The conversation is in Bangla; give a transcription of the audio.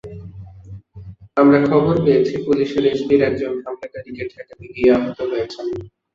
আমরা খবর পেয়েছি, পুলিশের এসবির একজন হামলাকারীকে ঠেকাতে গিয়ে আহত হয়েছেন।